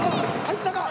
入ったか！？